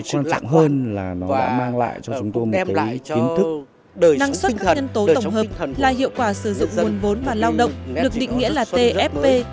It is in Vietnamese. đổi năng suất có nhân tố tổng hợp là hiệu quả sử dụng nguồn vốn và lao động được định nghĩa là tfp